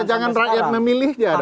jangan rakyat memilih dia dong